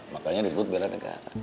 makanya disebut bela negara